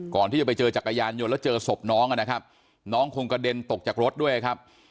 ไปเจอจักรยานยนต์แล้วเจอศพน้องนะครับน้องคงกระเด็นตกจากรถด้วยครับ